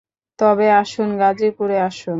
তবে আসুন, গাজিপুরে আসুন।